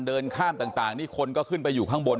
เดินข้ามต่างคนขึ้นมาข้างบน